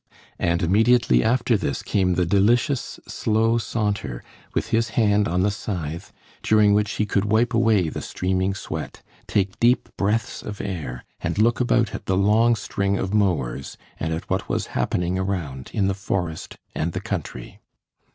And immediately after this came the delicious, slow saunter, with his hand on the scythe, during which he could wipe away the streaming sweat, take deep breaths of air, and look about at the long string of mowers and at what was happening around in the forest and the country.